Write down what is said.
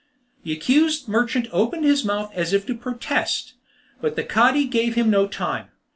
The accused merchant opened his mouth as if to protest, but the Cadi gave him no time.